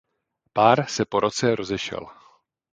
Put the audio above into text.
Pár se po roce rozešel.